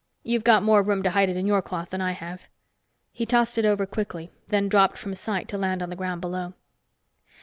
You've got more room to hide it in your cloth than I have." He tossed it over quickly, then dropped from sight to land on the ground below.